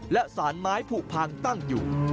และสารไม้ผูกพังตั้งอยู่